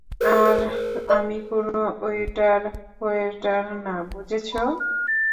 আর আমি কোনো ওয়েটার-ফোয়েটার না, বুঝেছ?